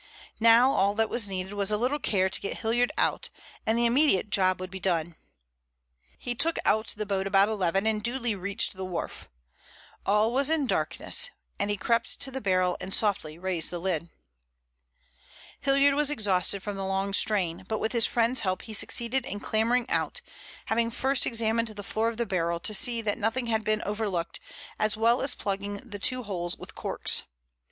Now all that was needed was a little care to get Hilliard out, and the immediate job would be done. He took out the boat about eleven and duly reached the wharf. All was in darkness, and he crept to the barrel and softly raised the lid. Hilliard was exhausted from the long strain, but with his friend's help he succeeded in clambering out, having first examined the floor of the barrel to see that nothing had been overlooked, as well as plugging the two holes with corks.